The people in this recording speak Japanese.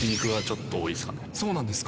そうなんですか。